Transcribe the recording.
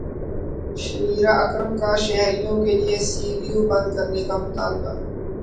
Shaniera Akram کا شہریوں کیلئے سی ویو بند کرنے کا مطالبہ